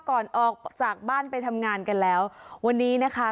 ก่อนออกจากบ้านไปทำงานกันแล้ววันนี้นะคะ